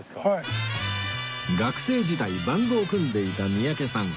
学生時代バンドを組んでいた三宅さん